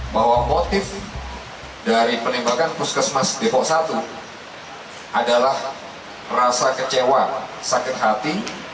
bahwa motif dari penembakan puskesmas depok satu adalah rasa kecewa sakit hati